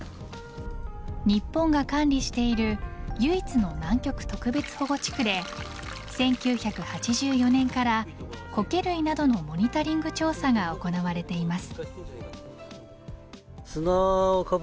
日本が管理している唯一の南極特別保護地区で１９８４年からコケ類などのモニタリング調査が行われています。